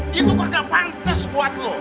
dia tuh kagak pantes buat lu